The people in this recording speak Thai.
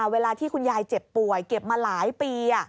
เวลาที่คุณยายเจ็บป่วยเก็บมาหลายปี